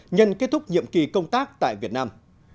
nhân kết thúc nhiệm kỳ công tác tại việt nam